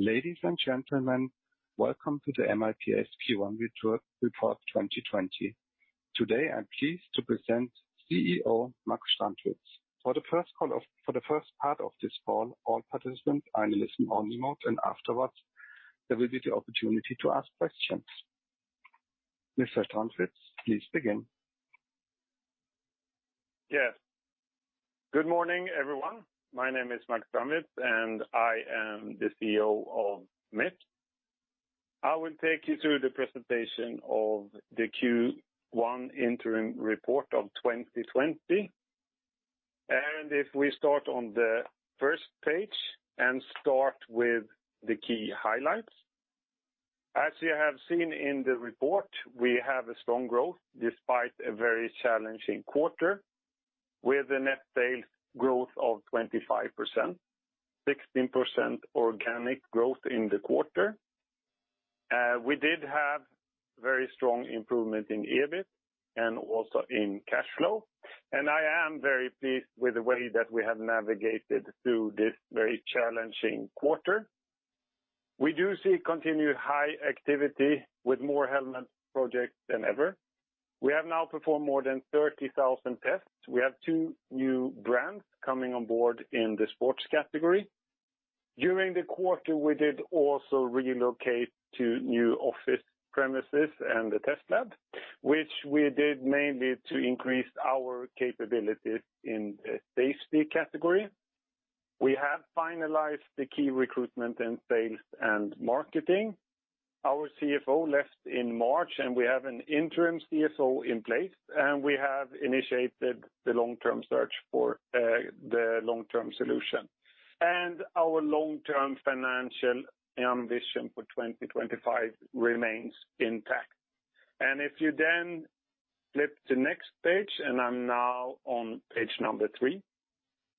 Ladies and gentlemen, welcome to the Mips Q1 virtual report 2020. Today, I'm pleased to present CEO Max Strandwitz. For the first part of this call, all participants are in listen-only mode, and afterwards, there will be the opportunity to ask questions. Mr. Strandwitz, please begin. Yes. Good morning, everyone. My name is Max Strandwitz, and I am the CEO of Mips. I will take you through the presentation of the Q1 interim report of 2020. If we start on the first page and start with the key highlights. As you have seen in the report, we have a strong growth despite a very challenging quarter, with a net sales growth of 25%, 16% organic growth in the quarter. We did have very strong improvement in EBIT and also in cash flow. And I am very pleased with the way that we have navigated through this very challenging quarter. We do see continued high activity with more helmet projects than ever. We have now performed more than 30,000 tests. We have two new brands coming on board in the sports category. During the quarter, we did also relocate to new office premises and the test lab, which we did mainly to increase our capabilities in the safety category. We have finalized the key recruitment in sales and marketing. Our CFO left in March, and we have an interim CFO in place, and we have initiated the long-term search for the long-term solution. Our long-term financial ambition for 2025 remains intact. If you then flip to next page, and I'm now on Page 3.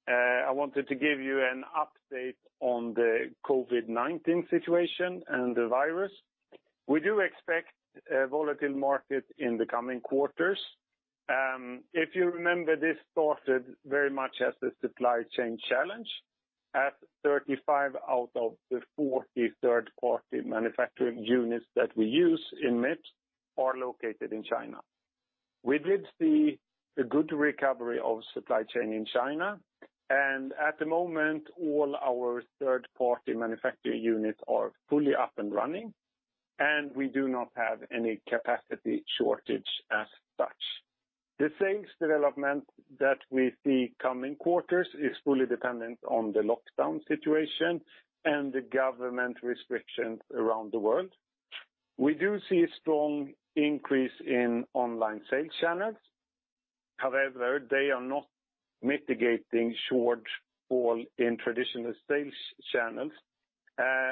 I wanted to give you an update on the COVID-19 situation and the virus. We do expect a volatile market in the coming quarters. If you remember, this started very much as a supply chain challenge at 35 out of the 40 third-party manufacturing units that we use in Mips are located in China. We did see a good recovery of supply chain in China. At the moment, all our third-party manufacturing units are fully up and running, and we do not have any capacity shortage as such. The sales development that we see coming quarters is fully dependent on the lockdown situation and the government restrictions around the world. We do see a strong increase in online sales channels. However, they are not mitigating shortfall in traditional sales channels.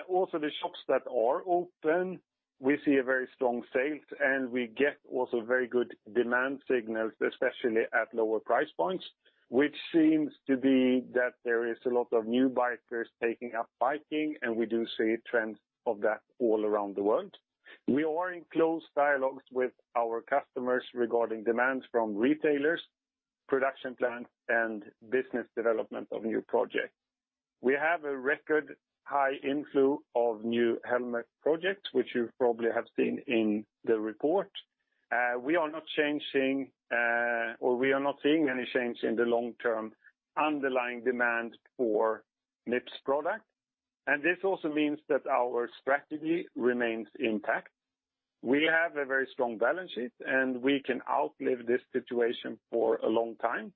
Also, the shops that are open, we see a very strong sales, and we get also very good demand signals, especially at lower price points, which seems to be that there is a lot of new bikers taking up biking, and we do see trends of that all around the world. We are in close dialogues with our customers regarding demands from retailers, production plans, and business development of new projects. We have a record high inflow of new helmet projects, which you probably have seen in the report. We are not changing or we are not seeing any change in the long-term underlying demand for Mips product. This also means that our strategy remains intact. We have a very strong balance sheet, and we can outlive this situation for a long time.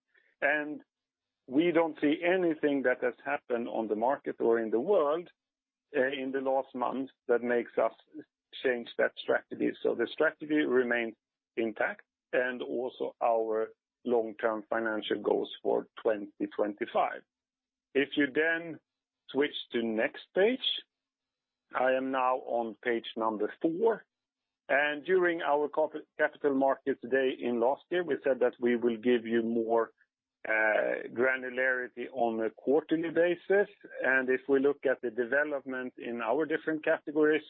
We don't see anything that has happened on the market or in the world in the last month that makes us change that strategy. The strategy remains intact and also our long-term financial goals for 2025. If you switch to next page, I am now on Page 4. During our capital markets day in last year, we said that we will give you more granularity on a quarterly basis. If we look at the development in our different categories,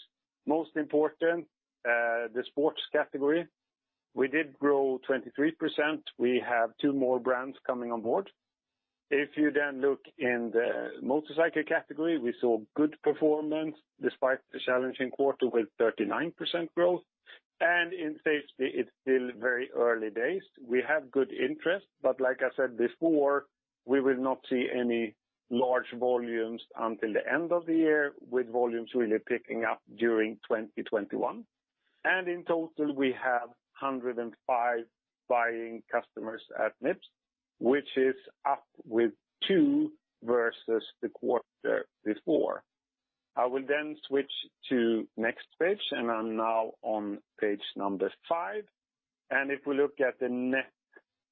most important, the sports category, we did grow 23%. We have two more brands coming on board. If you look in the motorcycle category, we saw good performance despite the challenging quarter with 39% growth. In safety, it's still very early days. We have good interest, but like I said before, we will not see any large volumes until the end of the year, with volumes really picking up during 2021. In total, we have 105 buying customers at Mips, which is up with two versus the quarter before. I will then switch to next page, and I'm now on Page 5. If we look at the net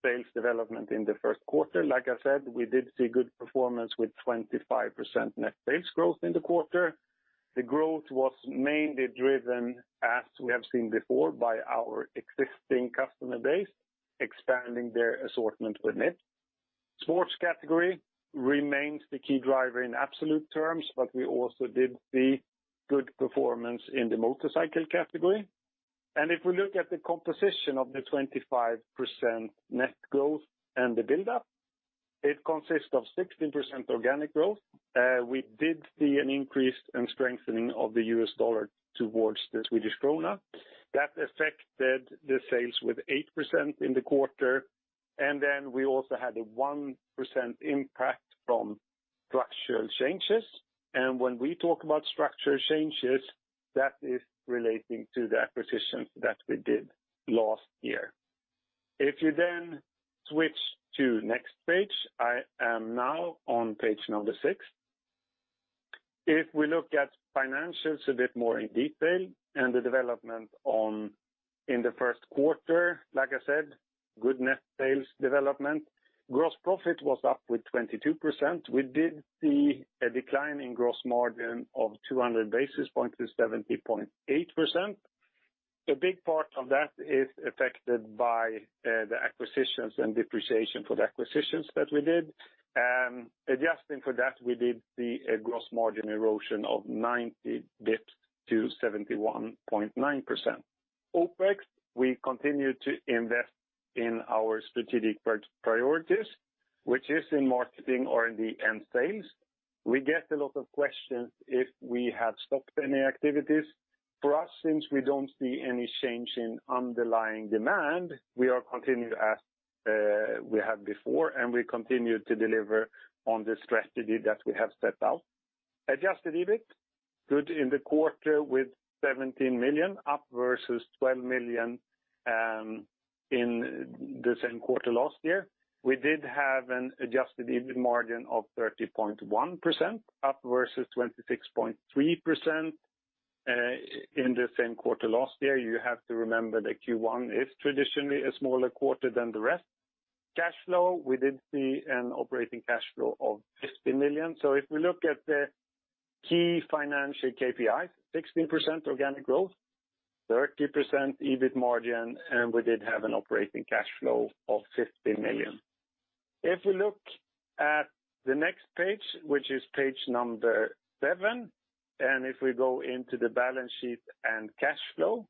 sales development in the first quarter, like I said, we did see good performance with 25% net sales growth in the quarter. The growth was mainly driven, as we have seen before, by our existing customer base expanding their assortment with Mips. Sports category remains the key driver in absolute terms; we also did see good performance in the motorcycle category. If we look at the composition of the 25% net growth and the buildup. It consists of 16% organic growth. We did see an increase and strengthening of the US dollar towards the Swedish krona. That affected the sales with 8% in the quarter. We also had a 1% impact from structural changes. When we talk about structural changes, that is relating to the acquisitions that we did last year. If you switch to next page, I am now on Page 6. If we look at financials a bit more in detail and the development in the first quarter, like I said, good net sales development. Gross profit was up with 22%. We did see a decline in gross margin of 200 basis points to 70.8%. A big part of that is affected by the acquisitions and depreciation for the acquisitions that we did. Adjusting for that, we did see a gross margin erosion of 90 basis points to 71.9%. OpEx, we continue to invest in our strategic priorities, which is in marketing, R&D, and sales. We get a lot of questions if we have stopped any activities. For us, since we don't see any change in underlying demand, we are continuing as we have before, and we continue to deliver on the strategy that we have set out. Adjusted EBIT, good in the quarter with 17 million, up versus 12 million in the same quarter last year. We did have an adjusted EBIT margin of 30.1%, up versus 26.3% in the same quarter last year. You have to remember that Q1 is traditionally a smaller quarter than the rest. Cash flow, we did see an operating cash flow of 50 million. If we look at the key financial KPIs, 16% organic growth, 30% EBIT margin, and we did have an operating cash flow of 50 million. If we look at the next page, which is Page 7, if we go into the balance sheet and cash flow,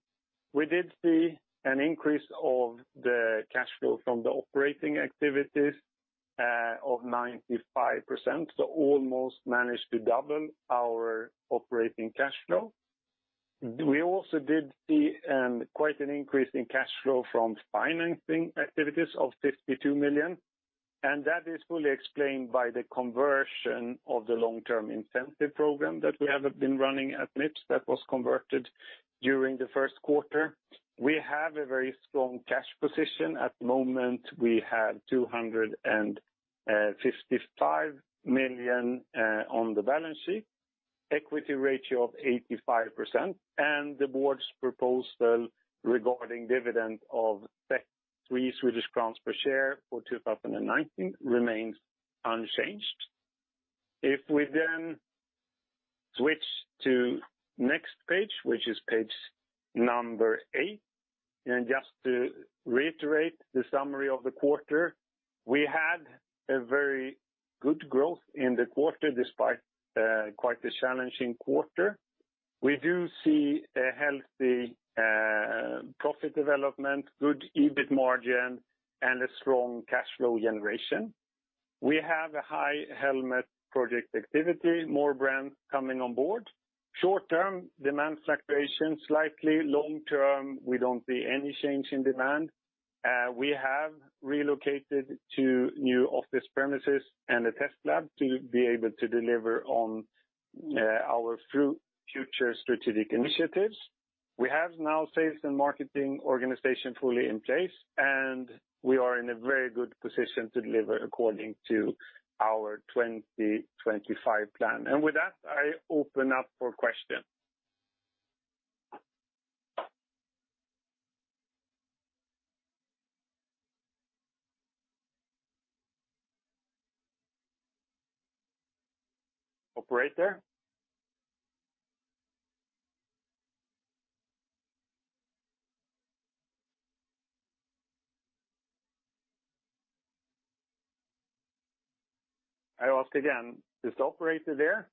we did see an increase of the cash flow from the operating activities of 95%, almost managed to double our operating cash flow. We also did see quite an increase in cash flow from financing activities of 52 million, and that is fully explained by the conversion of the long-term incentive program that we have been running at Mips that was converted during the first quarter. We have a very strong cash position. At the moment, we have 255 million on the balance sheet, equity ratio of 85%, and the board's proposal regarding dividend of 3 Swedish crowns per share for 2019 remains unchanged. If we then switch to next page, which is Page 8, and just to reiterate the summary of the quarter, we had a very good growth in the quarter despite quite a challenging quarter. We do see a healthy profit development, good EBIT margin, and a strong cash flow generation. We have a high helmet project activity, more brands coming on board. Short term, demand fluctuation slightly. Long term, we don't see any change in demand. We have relocated to new office premises and a test lab to be able to deliver on our future strategic initiatives. We have now sales and marketing organization fully in place, and we are in a very good position to deliver according to our 2025 plan. With that, I open up for questions. Operator? I ask again, is the operator there?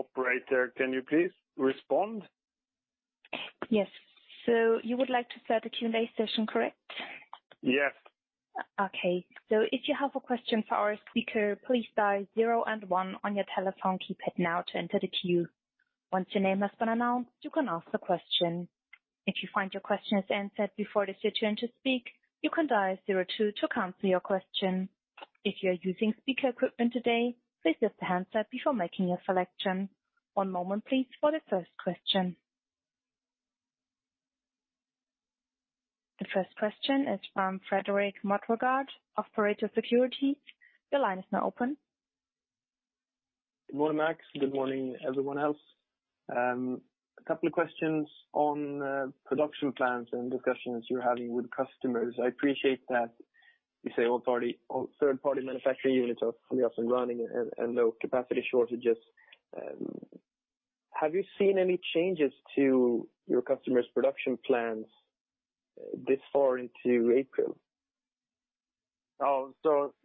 Operator, can you please respond? Yes. You would like to start the Q&A session, correct? Yes. If you have a question for our speaker, please dial zero and one on your telephone keypad now to enter the queue. Once your name has been announced, you can ask the question. If you find your question is answered before it is your turn to speak, you can dial zero two to cancel your question. If you are using speaker equipment today, please lift the handset before making a selection. One moment, please for the first question. The first question is from Fredrik Moregård, Pareto Securities. Your line is now open. Good morning, Max. Good morning, everyone else. A couple of questions on production plans and discussions you're having with customers. I appreciate that you say all third-party manufacturing units are fully up and running and no capacity shortages. Have you seen any changes to your customers' production plans this far into April?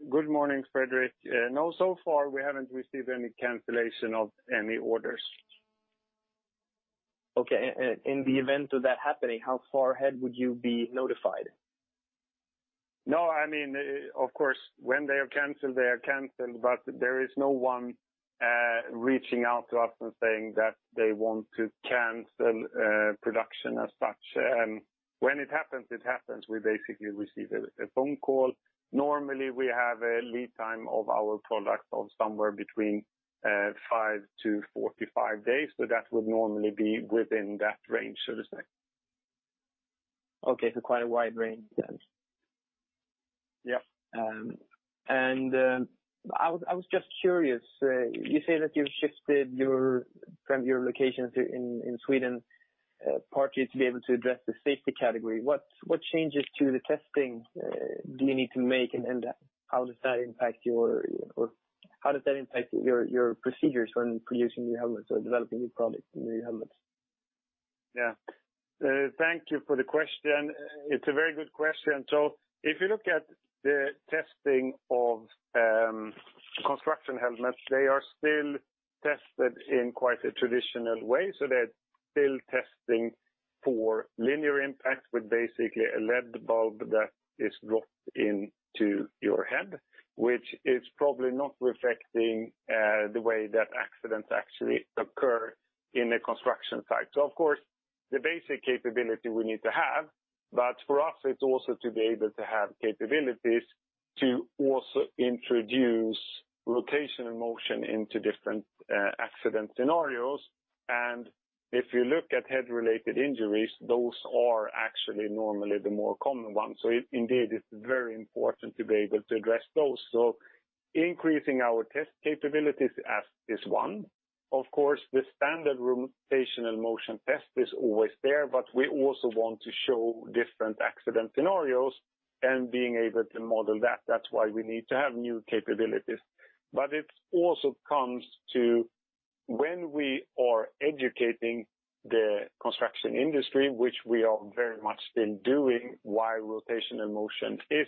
Good morning, Fredrik. No, so far, we haven't received any cancellation of any orders. Okay. In the event of that happening, how far ahead would you be notified? Of course, when they have canceled, they are canceled, but there is no one reaching out to us and saying that they want to cancel production as such. When it happens, it happens. We basically receive a phone call. Normally, we have a lead time of our product of somewhere between five to 45 days, so that would normally be within that range, so to say. Okay. Quite a wide range then. Yes. I was just curious; you say that you've shifted from your locations in Sweden partly to be able to address the safety category. What changes to the testing do you need to make and how does that impact your procedures when producing new helmets or developing new products, new helmets? Yeah. Thank you for the question. It's a very good question. If you look at the testing of construction helmets, they're still tested in quite a traditional way. They're still testing for linear impact with basically a lead bulb that is dropped into your head. Which is probably not reflecting the way that accidents actually occur in a construction site. Of course, the basic capability we need to have, but for us it's also to be able to have capabilities to also introduce rotation and motion into different accident scenarios. If you look at head-related injuries, those are actually normally the more common ones. Indeed, it's very important to be able to address those. Increasing our test capabilities is one. Of course, the standard rotational motion test is always there, but we also want to show different accident scenarios and being able to model that. That's why we need to have new capabilities. It also comes to when we are educating the construction industry, which we are very much still doing, why rotation and motion is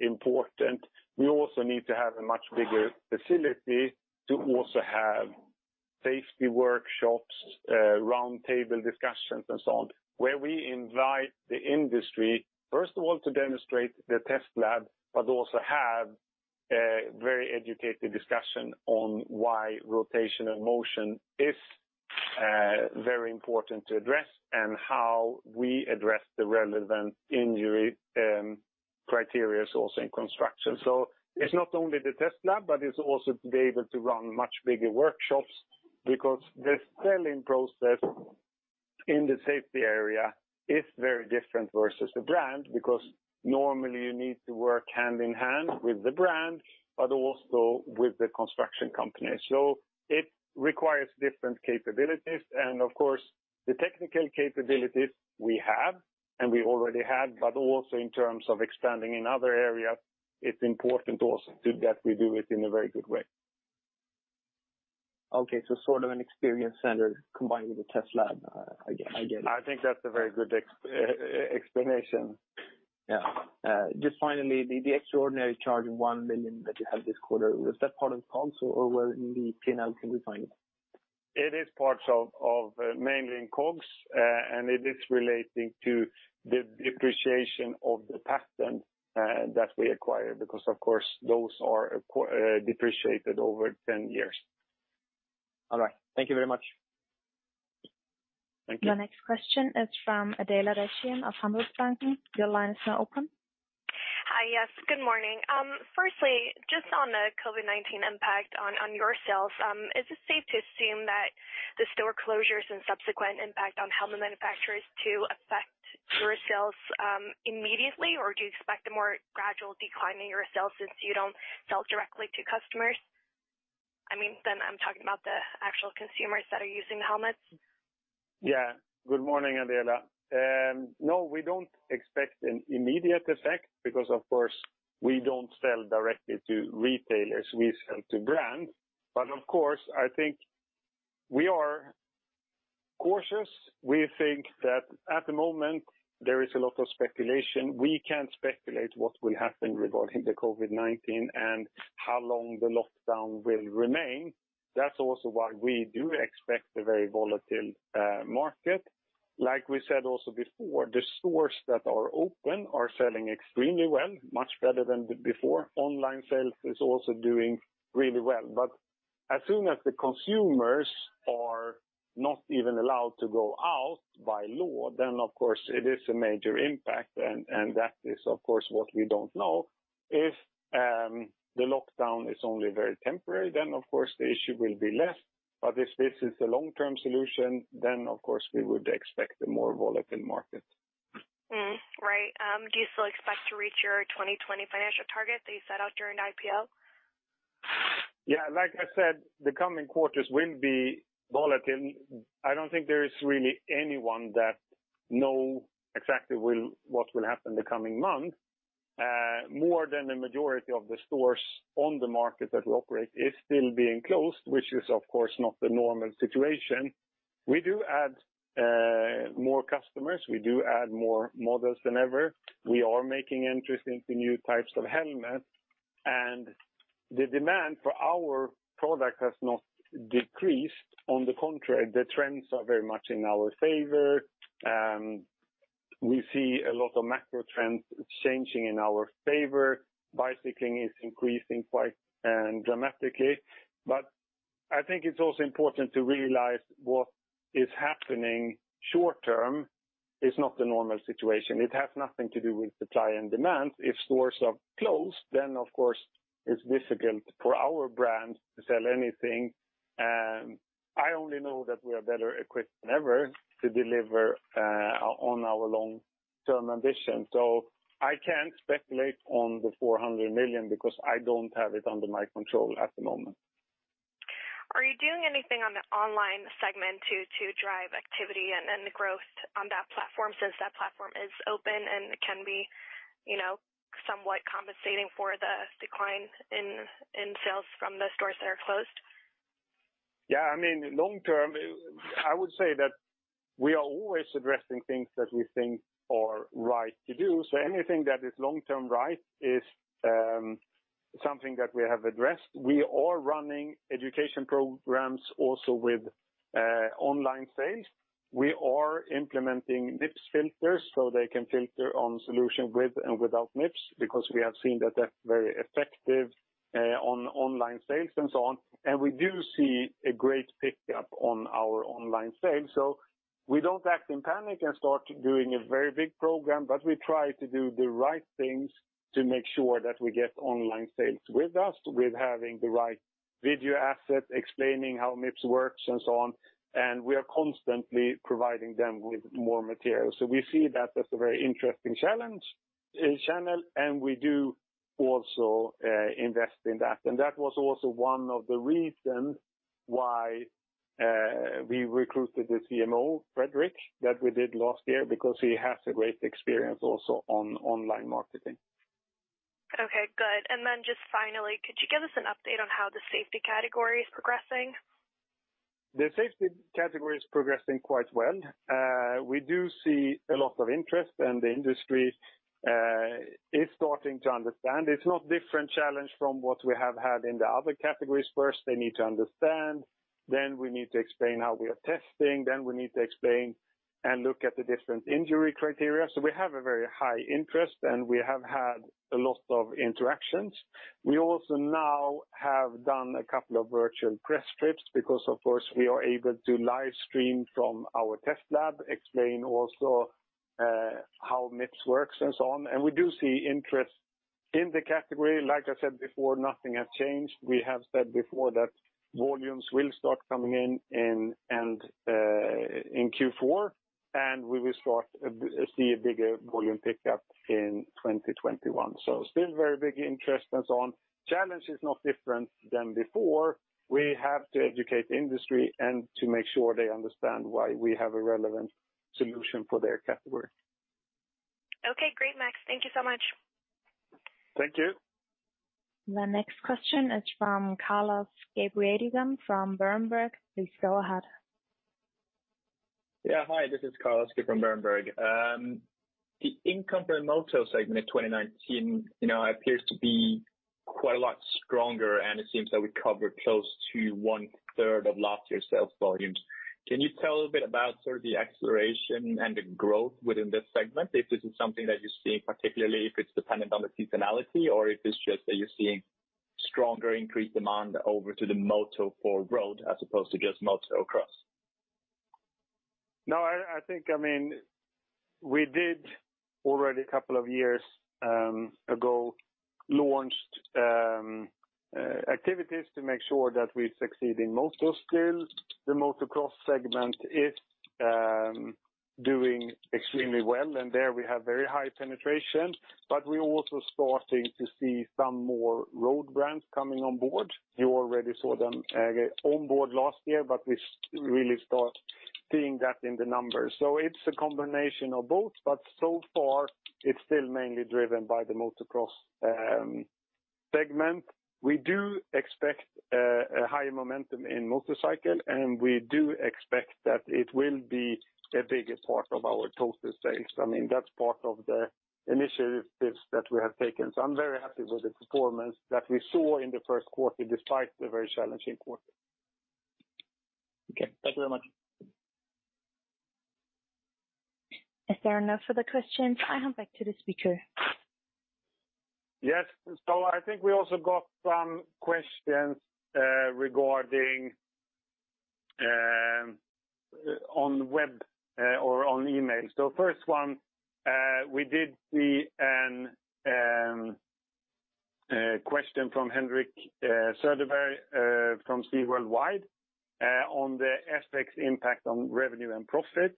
important. We also need to have a much bigger facility to also have safety workshops, round table discussions, and so on, where we invite the industry, first of all, to demonstrate the test lab, but also have a very educated discussion on why rotation and motion is very important to address, and how we address the relevant injury criteria also in construction. It's not only the test lab, but it's also to be able to run much bigger workshops because the selling process in the safety area is very different versus the brand because normally you need to work hand in hand with the brand, but also with the construction company. It requires different capabilities and of course the technical capabilities we have and we already had, but also in terms of expanding in other areas, it's important also that we do it in a very good way. Okay. Sort of an experience center combined with a test lab. I get it. I think that's a very good explanation. Yeah. Just finally, the extraordinary charge of $1 million that you had this quarter, was that part of COGS or where in the P&L can we find it? It is parts of mainly in COGS, and it is relating to the depreciation of the patent that we acquired because of course those are depreciated over 10 years. All right. Thank you very much. Thank you. Your next question is from Adela Dashian of Handelsbanken. Your line is now open. Hi. Yes, good morning. Just on the COVID-19 impact on your sales, is it safe to assume that the store closures and subsequent impact on helmet manufacturers to affect your sales immediately? Or do you expect a more gradual decline in your sales since you don't sell directly to customers? I'm talking about the actual consumers that are using the helmets. Good morning, Adela. No, we don't expect an immediate effect because of course, we don't sell directly to retailers, we sell to brands. Of course, I think we are cautious. We think that at the moment there is a lot of speculation. We can't speculate what will happen regarding the COVID-19 and how long the lockdown will remain. That's also why we do expect a very volatile market. Like we said also before, the stores that are open are selling extremely well, much better than before. Online sales is also doing really well. As soon as the consumers are not even allowed to go out by law, then of course it is a major impact and that is of course what we don't know. If the lockdown is only very temporary, then of course the issue will be less. If this is a long-term solution, then of course we would expect a more volatile market. Right. Do you still expect to reach your 2020 financial target that you set out during the IPO? Yeah. Like I said, the coming quarters will be volatile. I don't think there is really anyone that know exactly what will happen in the coming months. More than the majority of the stores on the market that we operate is still being closed, which is, of course, not the normal situation. We do add more customers. We do add more models than ever. We are making interesting new types of helmets, and the demand for our product has not decreased. On the contrary, the trends are very much in our favor. We see a lot of macro trends changing in our favor. Bicycling is increasing quite dramatically. I think it's also important to realize what is happening short-term is not the normal situation. It has nothing to do with supply and demand. If stores are closed, then, of course, it's difficult for our brand to sell anything. I only know that we are better equipped than ever to deliver on our long-term ambition. I can't speculate on the 400 million because I don't have it under my control at the moment. Are you doing anything on the online segment to drive activity and the growth on that platform since that platform is open and can be somewhat compensating for the decline in sales from the stores that are closed? Yeah. Long term, I would say that we are always addressing things that we think are right to do. Anything that is long-term right is something that we have addressed. We are running education programs also with online sales. We are implementing Mips filters so they can filter on solution with and without Mips because we have seen that that's very effective on online sales and so on. We do see a great pickup on our online sales. We don't act in panic and start doing a very big program, but we try to do the right things to make sure that we get online sales with us, with having the right video asset, explaining how Mips works and so on. We are constantly providing them with more material. We see that that's a very interesting channel, and we do also invest in that. That was also one of the reasons why we recruited the CMO, Fredrik, that we did last year because he has a great experience also on online marketing. Okay, good. Just finally, could you give us an update on how the safety category is progressing? The safety category is progressing quite well. We do see a lot of interest and the industry is starting to understand. It's not different challenge from what we have had in the other categories. First, they need to understand, then we need to explain how we are testing, then we need to explain and look at the different injury criteria. We have a very high interest, and we have had a lot of interactions. We also now have done a couple of virtual press trips because, of course, we are able to live stream from our test lab, explain also how Mips works and so on. We do see interest in the category. Like I said before, nothing has changed. We have said before that volumes will start coming in Q4, and we will start to see a bigger volume pickup in 2021. still very big interest and so on. Challenge is not different than before. We have to educate the industry and to make sure they understand why we have a relevant solution for their category. Okay, great, Max. Thank you so much. Thank you. The next question is from Carl-Oscar Bredengen from Berenberg. Please go ahead. Yeah. Hi, this is Carl-Oscar from Berenberg. The income from Moto segment in 2019 appears to be quite a lot stronger, and it seems that we covered close to one-third of last year's sales volumes. Can you tell a bit about sort of the acceleration and the growth within this segment? If this is something that you're seeing, particularly if it's dependent on the seasonality or if it's just that you're seeing stronger increased demand over to the Moto for road as opposed to just motocross? No, I think we did already a couple of years ago, launched activities to make sure that we succeed in Moto still. The motocross segment is doing extremely well, and there we have very high penetration, but we're also starting to see some more road brands coming on board. You already saw them on board last year, but we really start seeing that in the numbers. It's a combination of both, but so far, it's still mainly driven by the motocross segment. We do expect a high momentum in motorcycle, and we do expect that it will be the biggest part of our total sales. That's part of the initiatives that we have taken. I'm very happy with the performance that we saw in the first quarter, despite the very challenging quarter. Okay. Thank you very much. Is there no further questions? I hand back to the speaker. Yes. I think we also got some questions regarding on web or on email. First one, we did see a question from Hendrik Soderberg from Steve Worldwide on the aspects impact on revenue and profit.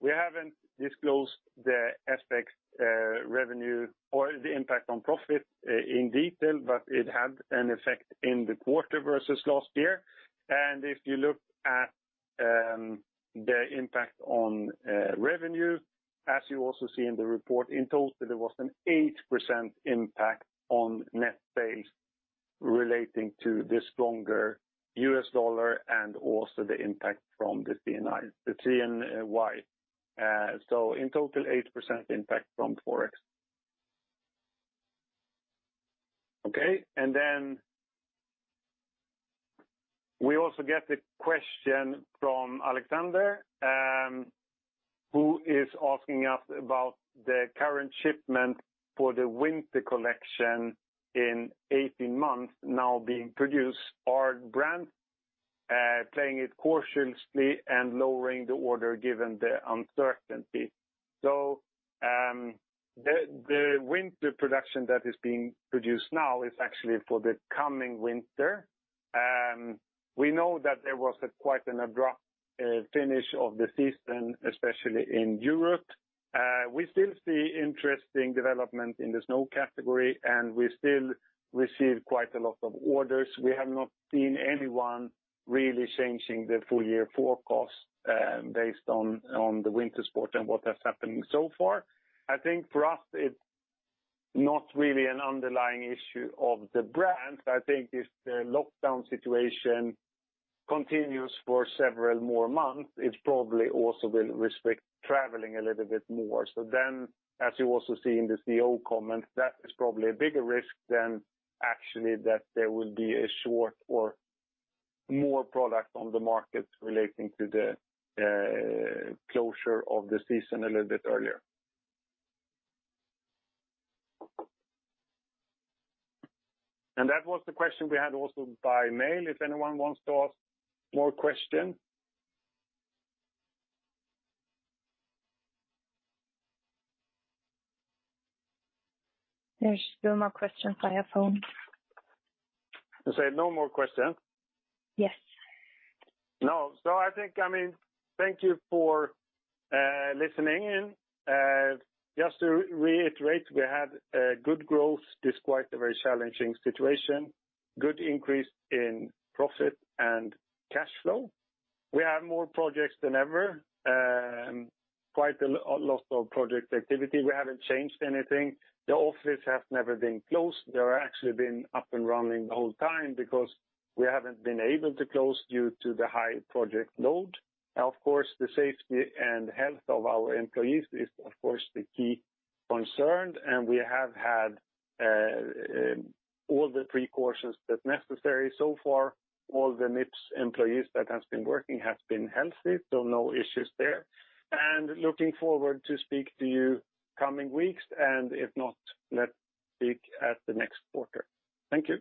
We haven't disclosed the aspects revenue or the impact on profit in detail, but it had an effect in the quarter versus last year. If you look at the impact on revenue, as you also see in the report, in total there was an 8% impact on net sales relating to this stronger US dollar and also the impact from the CNY. In total, 8% impact from Forex. Okay. We also get the question from Alexander, who is asking us about the current shipment for the winter collection in 18 months now being produced. Are brands playing it cautiously and lowering the order given the uncertainty? The winter production that is being produced now is actually for the coming winter. We know that there was quite an abrupt finish of the season, especially in Europe. We still see interesting development in the snow category, and we still receive quite a lot of orders. We have not seen anyone really changing the full-year forecast based on the winter sport and what has happened so far. I think for us, it's not really an underlying issue of the brands. I think if the lockdown situation continues for several more months, it probably also will restrict traveling a little bit more. As you also see in the CEO comments, that is probably a bigger risk than actually that there will be a short or more product on the market relating to the closure of the season a little bit earlier. That was the question we had also by mail. If anyone wants to ask more question? There's no more questions via phone. You say no more questions? Yes. No. I think, thank you for listening in. Just to reiterate, we had good growth despite the very challenging situation, good increase in profit and cash flow. We have more projects than ever, quite a lot of project activity. We haven't changed anything. The office has never been closed. They have actually been up and running the whole time because we haven't been able to close due to the high project load. Of course, the safety and health of our employees is, of course, the key concern, and we have had all the precautions that's necessary so far. All the Mips employees that have been working have been healthy, so no issues there. Looking forward to speak to you coming weeks, and if not, let's speak at the next quarter. Thank you.